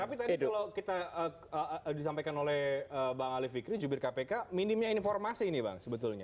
tapi tadi kalau kita disampaikan oleh bang ali fikri jubir kpk minimnya informasi ini bang sebetulnya